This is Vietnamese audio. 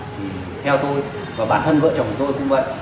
thì theo tôi và bản thân vợ chồng của tôi cũng vậy